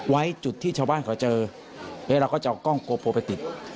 ไว้จุดที่ชาวบ้านเขาเจอแล้วเราก็จะเอากล้องโกโพลไปติด